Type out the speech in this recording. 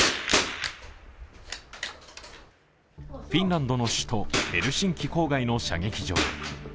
フィンランドの首都ヘルシンキ郊外の射撃場。